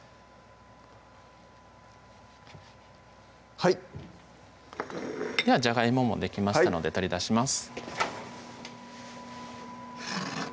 はいではジャガイモもできましたので取り出します